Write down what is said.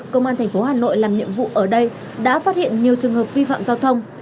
công an thành phố hà nội làm nhiệm vụ ở đây đã phát hiện nhiều trường hợp vi phạm giao thông